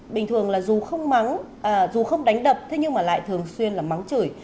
bình thường là dù không đánh đập thế nhưng mà lại thường xuyên là mắng chửi